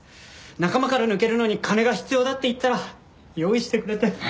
仲間から抜けるのに金が必要だって言ったら用意してくれて。